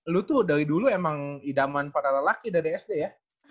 lu tuh dari dulu emang idaman para lelaki dari sd ya